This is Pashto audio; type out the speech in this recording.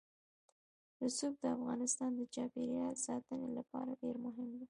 رسوب د افغانستان د چاپیریال ساتنې لپاره ډېر مهم دي.